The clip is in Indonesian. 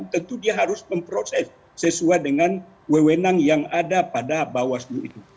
tentu dia harus memproses sesuai dengan wewenang yang ada pada bawaslu itu